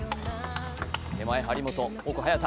手前、張本、奥、早田。